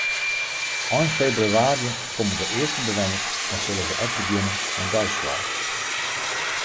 Ein febrewaarje komme de earste bewenners en sille se ek begjinne mei deisoarch.